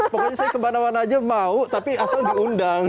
pokoknya saya kemana mana aja mau tapi asal diundang